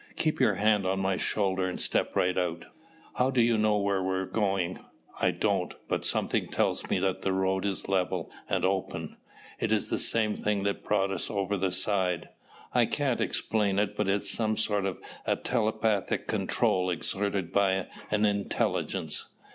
Keep your hand on my shoulder and step right out." "How do you know where we're going?" "I don't, but something tells me that the road is level and open. It is the same thing that brought us over the side. I can't explain it but it is some sort of a telepathic control exerted by an intelligence.